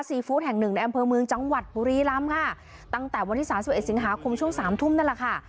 ฟู้ดแห่งหนึ่งในอำเภอเมืองจังหวัดบุรีรำค่ะตั้งแต่วันที่สามสิบเอ็ดสิงหาคมช่วงสามทุ่มนั่นแหละค่ะ